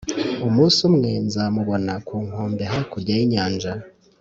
umunsi umwe nzamubona ku nkombe hakurya y'inyanja.